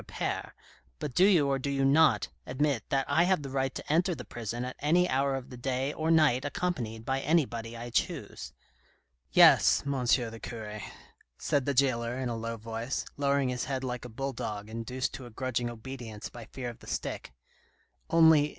Appert, but do you or do you not admit that I have the right to enter the prison at any hour of the day or night accompanied by anybody I choose ?"" Yes, M. the cure," said the jailer in a low voice, lowering his head like a bull dog, induced to a grudging obedience by fear of the stick, '' only, M.